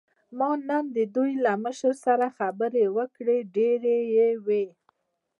ما نن د دوی له مشر سره خبرې وکړې، ډېرې یې وې.